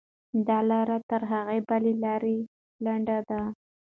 دا لاره تر هغې بلې لارې لنډه ده.